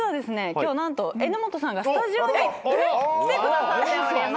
今日何と榎本さんがスタジオに来てくださっております。